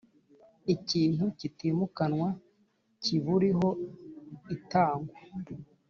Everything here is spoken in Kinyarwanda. ikintu kitimukanwa kiburiho itangwa